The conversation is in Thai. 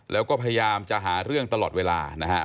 แล้วก็พยายามจะหาเรื่องตลอดเวลานะฮะ